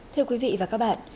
thưa quý vị và các bạn